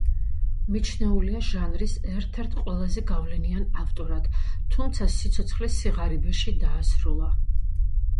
მიჩნეულია ჟანრის ერთ-ერთ ყველაზე გავლენიან ავტორად, თუმცა სიცოცხლე სიღარიბეში დაასრულა.